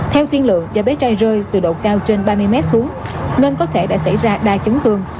theo tiên lượng do bé trai rơi từ độ cao trên ba mươi mét xuống nên có thể đã xảy ra đa chấn thương